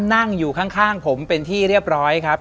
นั่งอยู่ข้างผมเป็นที่เรียบร้อยครับ